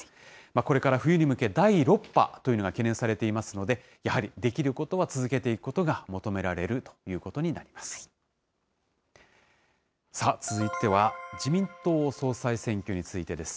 これから冬に向け、第６波というのが懸念されていますので、やはりできることは続けていくことが求められるということになります。